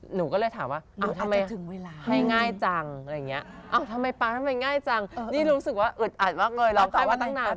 หนูก็เลยถามว่าทำไมให้ง่ายจังทำไมปะทำไมง่ายจังนี่รู้สึกว่าอึดอัดมากเลยรอไข้มาตั้งนานแล้ว